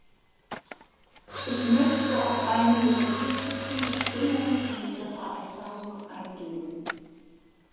Ich möchte auf einige der wichtigsten Bestimmungen in dieser Vereinbarung eingehen.